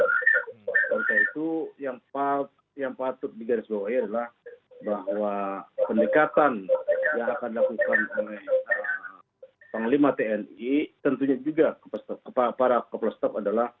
oleh karena itu yang patut digarisbawahi adalah bahwa pendekatan yang akan dilakukan oleh panglima tni tentunya juga para kepala staf adalah